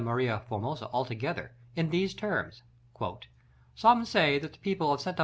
Maria Formosa altogether, in these terms: "Some say that the people of Sta.